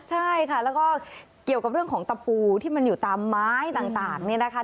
ใช่ค่ะแล้วก็เกี่ยวกับเรื่องของตะปูที่มันอยู่ตามไม้ต่างเนี่ยนะคะ